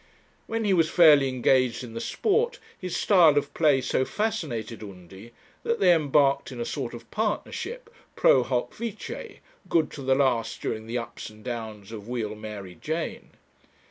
When he was fairly engaged in the sport, his style of play so fascinated Undy that they embarked in a sort of partnership, pro hoc vice, good to the last during the ups and downs of Wheal Mary Jane.